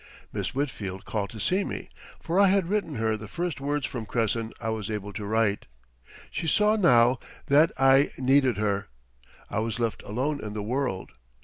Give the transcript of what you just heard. Miss Whitfield called to see me, for I had written her the first words from Cresson I was able to write. She saw now that I needed her. I was left alone in the world.